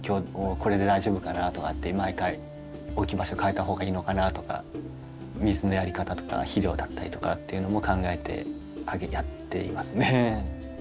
これで大丈夫かな？とかって毎回置き場所変えたほうがいいのかなとか水のやり方とか肥料だったりとかっていうのも考えてやっていますね。